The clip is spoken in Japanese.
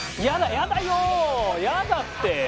やだって。